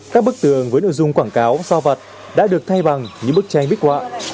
các bức tường với nội dung quảng cáo so vật đã được thay bằng những bức tranh bích quạ